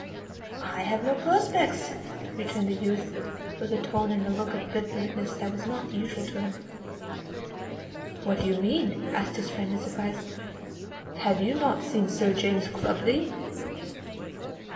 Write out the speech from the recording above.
"I have no prospects," returned the youth, with a tone and look of bitterness that was not usual to him. "What do you mean?" asked his friend in surprise, "have you not seen Sir James Clubley?"